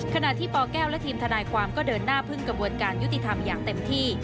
ขณะที่ปแก้วและทีมทนายความก็เดินหน้าพึ่งกระบวนการยุติธรรมอย่างเต็มที่